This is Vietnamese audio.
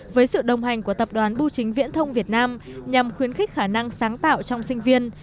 với sự đồng hành của tập đoàn bưu chính viễn thông việt nam nhằm khuyến khích khả năng sáng tạo trong sinh viên